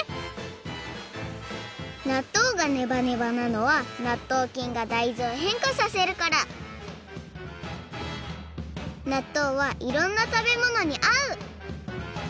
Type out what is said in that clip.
なっとうがネバネバなのはなっとうきんが大豆をへんかさせるからなっとうはいろんなたべものにあう！